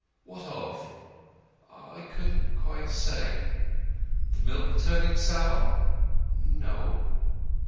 "What of?" "I couldn't quite say." "The milk turning sour?" "No."